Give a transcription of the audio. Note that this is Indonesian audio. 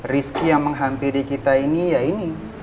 rizki yang menghampiri kita ini ya ini